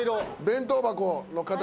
弁当箱の形。